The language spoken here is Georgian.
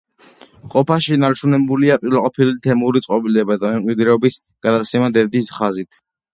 ყოფაში შენარჩუნებულია პირველყოფილი თემური წყობილება და მემკვიდრეობის გადაცემა დედის ხაზით.